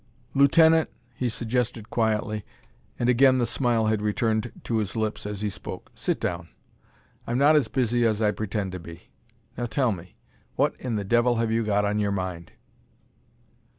"Lieutenant," he suggested quietly and again the smile had returned to his lips as he spoke "sit down. I'm not as busy as I pretend to be. Now tell me: what in the devil have you got in your mind?"